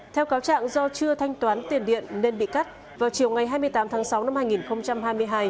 theo cáo trạng do chưa thanh toán tiền điện nên bị cắt vào chiều ngày hai mươi tám tháng sáu năm hai nghìn hai mươi hai